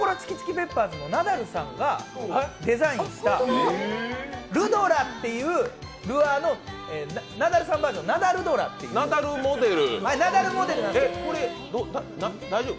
ペッパーズのナダルさんがデザインしたルドラっていうルアーのナダルバージョンの、ナダルドラっていうものなんですけど大丈夫？